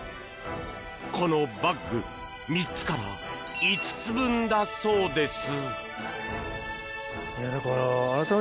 このバッグ３つから５つ分だそうです。